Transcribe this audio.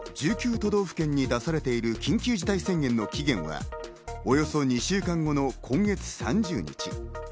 都道府県に出されている緊急事態宣言の期限はおよそ２週間後の今月３０日。